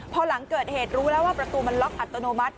พอหลังเกิดเหตุรู้แล้วว่าประตูมันล็อกอัตโนมัติ